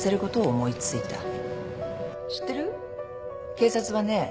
警察はね